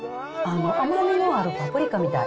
甘みのあるパプリカみたい。